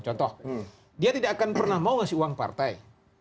contoh dia tidak akan pernah mau ngasih uang partai